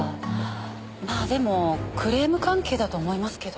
まあでもクレーム関係だと思いますけど。